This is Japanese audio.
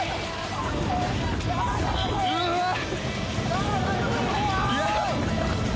うわっ！